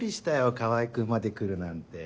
川合君まで来るなんて。